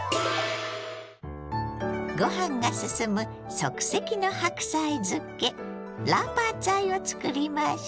ご飯が進む即席の白菜漬けラーパーツァイを作りましょ。